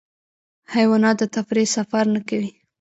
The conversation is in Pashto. حیوانات د تفریح سفر نه کوي.